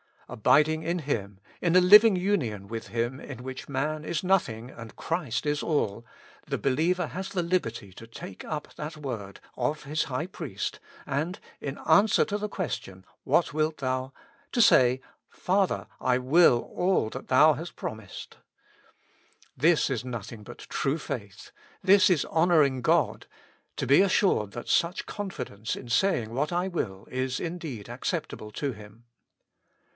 Abiding in Him, in a living union with Him in which man is nothing and Christ all, the believer has the liberty to take up that word of His High Priest and, in answer to the question, " What wilt thou .^" to say, " Father ! I will all that Thou hast promised." This is nothing but true faith ; this is honoring God : to be assured that such confidence in saying what I will is indeed acceptable to Him.